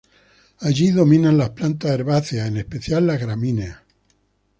Allí dominan las plantas herbáceas, en especial las gramíneas.